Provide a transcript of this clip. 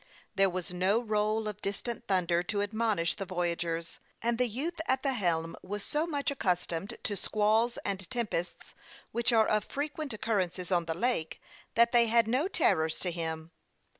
There was no roll of distant thunder to admonish the voyagers, and the youth at the helm was so much accustomed to squalls and tempests, which are of frequent occur rence on the lake, that they had no terrors to him.